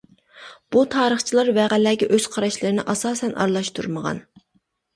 بۇ تارىخچىلار ۋەقەلەرگە ئۆز قاراشلىرىنى ئاساسەن ئارىلاشتۇرمىغان.